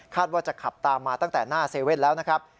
คาดว่าจะขับตามมาตั้งแต่หน้า๗๑๑แล้วนะครับ